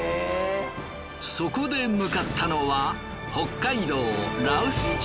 そこで向かったのは北海道羅臼町。